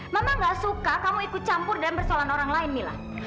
mama gak suka kamu ikut campur dan bersolah sama orang lain mila